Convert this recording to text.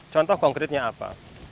contoh konkretnya apa